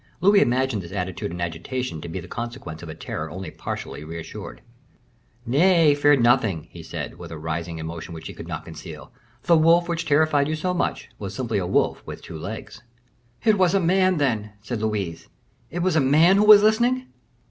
Louis imagined this attitude and agitation to be the consequence of a terror only partially reassured. "Nay, fear nothing," he said, with a rising emotion which he could not conceal; "the wolf which terrified you so much was simply a wolf with two legs." "It was a man, then!" said Louise; "it was a man who was listening?"